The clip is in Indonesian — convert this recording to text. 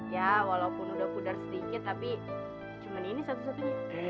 ya walaupun udah pudar sedikit tapi cuma ini satu satunya